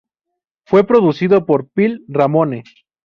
Fue producido por Phil Ramone.